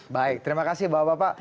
baik terima kasih bapak bapak